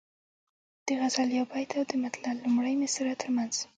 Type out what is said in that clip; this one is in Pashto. د غزل یو بیت او د مطلع لومړۍ مصرع ترمنځ.